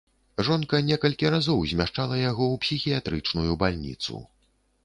Жонка некалькі разоў змяшчала яго ў псіхіятрычную бальніцу.